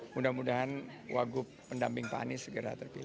mudah mudahan wagup pendamping pak anies segera terpilih